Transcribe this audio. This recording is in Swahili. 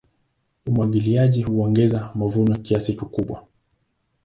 Umwagiliaji huongeza mavuno kiasi kikubwa.